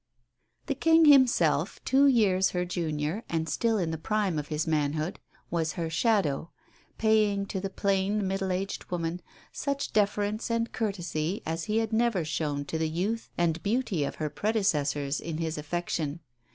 The King himself, two years her junior, and still in the prime of his manhood, was her shadow, paying to the plain, middle aged woman such deference and courtesy as he had never shown to the youth and beauty of her predecessors in his affection.